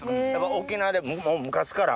沖縄でもう昔から。